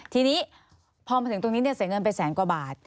ทีนี้พอมาถึงตรงนี้เสียเงินไปแสนกว่าบาท